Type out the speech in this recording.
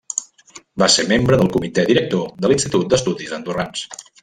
Va ser membre del Comitè Director de l'Institut d'Estudis Andorrans.